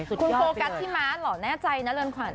คุณโคกัตที่มาสเหรออย่างแน่ใจนะเริ้นขวัญ